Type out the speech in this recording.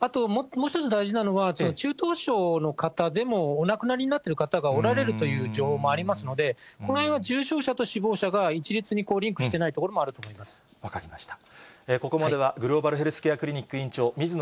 あともう１つ大事なのは、中等症の方でもお亡くなりになってる方がおられるという情報もありますので、このへんは重症者と死亡者が一律にリンクしてないところもあると分かりました。